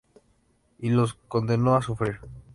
Y los condenó a sufrir.